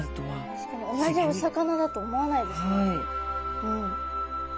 確かに同じお魚だと思わないですね。